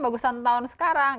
bagusan tahun sekarang